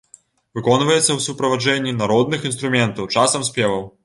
Выконваецца ў суправаджэнні народных інструментаў, часам спеваў.